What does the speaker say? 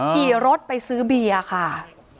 ขี่รถไปซื้อเบียร์ค่ะ